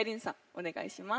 お願いします。